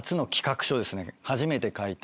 初めて書いた。